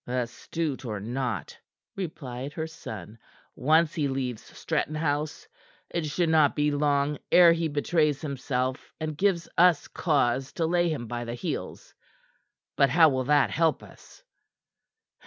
"Astute or not," replied her son, "once he leaves Stretton House it should not be long ere he betrays himself and gives us cause to lay him by the heels. But how will that help us?"